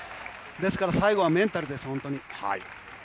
ですから、最後はメンタルです、本当に。